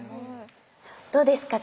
どうですか？